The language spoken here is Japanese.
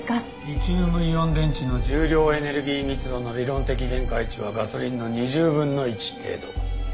リチウムイオン電池の重量エネルギー密度の理論的限界値はガソリンの２０分の１程度。